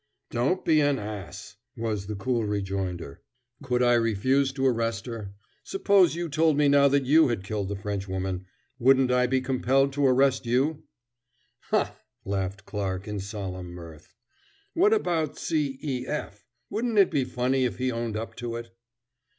"Don't be an ass!" was the cool rejoinder. "Could I refuse to arrest her? Suppose you told me now that you had killed the Frenchwoman, wouldn't I be compelled to arrest you?" "Ha!" laughed Clarke, in solemn mirth, "what about C. E. F.? Wouldn't it be funny if he owned up to it?"